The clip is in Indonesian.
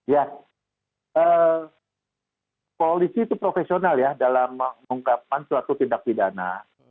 ya polisi itu profesional ya dalam mengungkapkan suatu tindak pidana